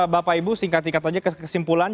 bapak ibu singkat singkat saja kesimpulan